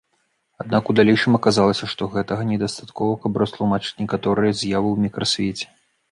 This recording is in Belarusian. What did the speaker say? Аднак у далейшым аказалася, што і гэтага недастаткова, каб растлумачыць некаторыя з'явы ў мікрасвеце.